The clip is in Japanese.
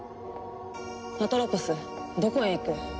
アトロポスどこへ行く？